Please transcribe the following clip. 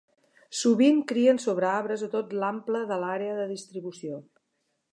Sovint crien sobre arbres a tot l'ample de l'àrea de distribució.